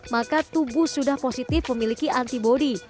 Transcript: maka tubuh sudah positif memiliki antibody